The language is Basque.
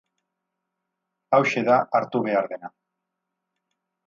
Hauxe da hartu behar dena.